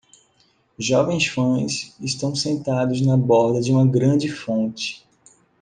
Jovens fãs estão sentados na borda de uma grande fonte.